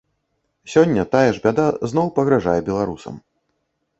Сёння тая ж бяда зноў пагражае беларусам.